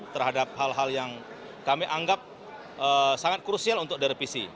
terhadap hal hal yang kami anggap sangat krusial untuk direvisi